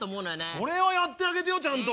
それはやってあげてよちゃんと。